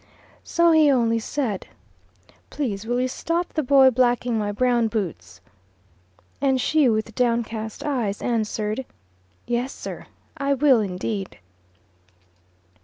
So he only said, "Please will you stop the boy blacking my brown boots," and she with downcast eyes, answered, "Yes, sir; I will indeed."